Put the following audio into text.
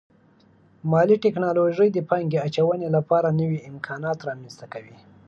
مالي ټکنالوژي د پانګې اچونې لپاره نوي امکانات رامنځته کوي.